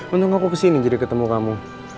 untung aku kesini jadi ketemu kamu